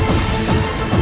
aku akan menangkapmu